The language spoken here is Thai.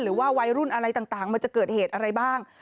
หรือว่าวัยรุ่นอะไรต่างมันจะเกิดเหตุอะไรบ้าง